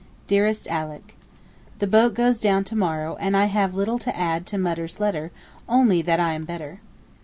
DEAREST ALICK, The boat goes down to morrow and I have little to add to Mutter's letter, only that I am better.